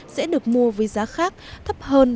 sẽ được mua với giá khác thấp hơn